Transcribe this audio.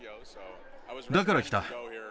だから来た。